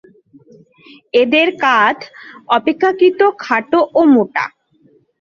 এদের কাঁধ অপেক্ষাকৃত খাটো ও মোটা।